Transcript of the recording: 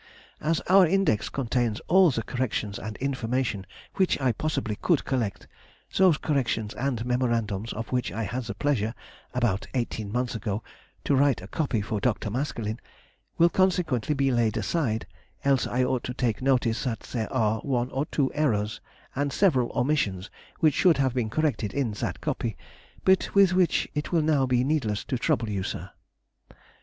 As our Index contains all the corrections and information which I possibly could collect, those corrections and memorandums of which I had the pleasure, about eighteen months ago, to write a copy for Dr. Maskelyne, will consequently be laid aside, else I ought to take notice that there are one or two errors and several omissions which should have been corrected in that copy, but with which it will now be needless to trouble you, sir.